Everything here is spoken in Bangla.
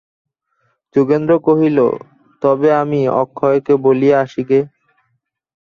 যোগেন্দ্র কহিল, তবে আমি অক্ষয়কে বলিয়া আসি গে?